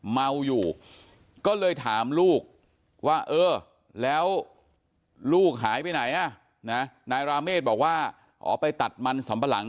เมาอยู่ก็เลยถามลูกว่าเออแล้วลูกหายไปไหนอ่ะนะนายราเมฆบอกว่าอ๋อไปตัดมันสำปะหลัง